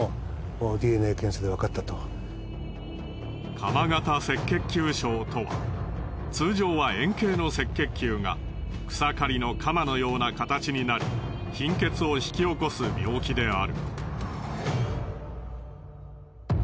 鎌形赤血球症とは通常は円形の赤血球が草刈りの鎌のような形になり貧血を引き起こす病気である。